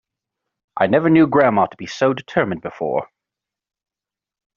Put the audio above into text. I never knew grandma to be so determined before.